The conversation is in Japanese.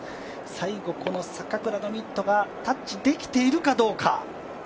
最後、この坂倉のミットがタッチできているかどうか。